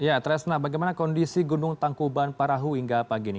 ya tresna bagaimana kondisi gunung tangkuban parahu hingga pagi ini